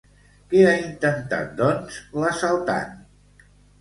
Què ha intentat, doncs, l'assaltant?